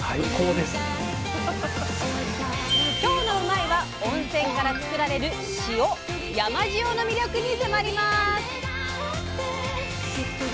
今日の「うまいッ！」は温泉からつくられる塩山塩の魅力に迫ります！